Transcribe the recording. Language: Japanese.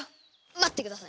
待ってください。